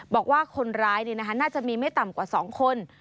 บอกว่าคนร้ายน่าจะมีไม่ต่ำกว่า๒คน